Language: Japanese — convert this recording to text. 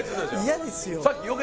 嫌ですよ